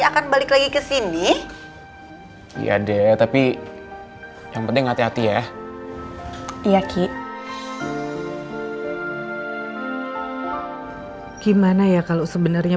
akan balik lagi ke sini iya deh tapi yang penting hati hati ya iya ki gimana ya kalau sebenarnya